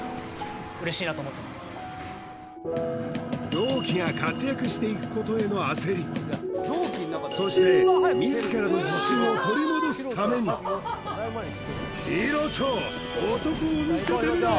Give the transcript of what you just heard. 同期が活躍していくことへの焦りそして自らの自身を取り戻すためにヒロチョ男を見せてみろ！